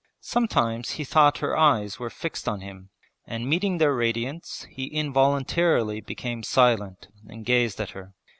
Sometimes he thought her eyes were fixed on him, and meeting their radiance he involuntarily became silent and gazed at her.